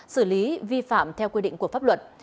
xử lý vi phạm theo quy định của pháp luật